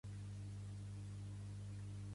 Tenir molta merda a la televisió